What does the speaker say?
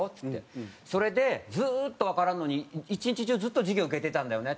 「それでずーっとわからんのに一日中ずっと授業受けてたんだよね」。